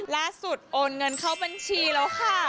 ล่าสุดโอนเงินเข้าบัญชีแล้วค่ะ